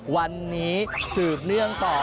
วันนี้สืบเนื่องต่อ